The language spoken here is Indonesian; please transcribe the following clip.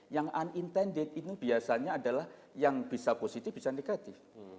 yang unintended itu biasanya adalah yang bisa positif bisa negatif